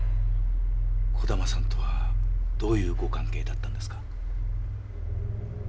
児玉さんとはどういうご関係だったんですか？